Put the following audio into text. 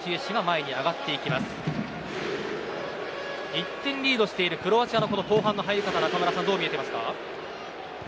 １点リードしているクロアチアの後半の入り方中村さん、どう見えていますか。